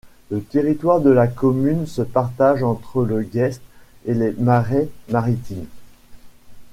Le territoire de la commune se partage entre le Geest et les marais maritimes.